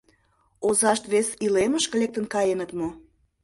Озашт вес илемыш лектын каеныт мо?